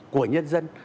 của nhân dân